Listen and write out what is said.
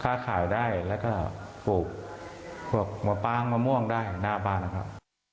ค้าขายได้แล้วก็ปลูกพวกมะปางมะม่วงได้หน้าบ้านนะครับ